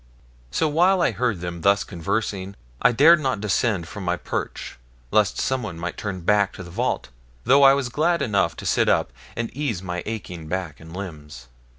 So while I heard them thus conversing I dared not descend from my perch, lest someone might turn back to the vault, though I was glad enough to sit up, and ease my aching back and limbs.